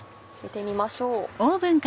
見てみましょう。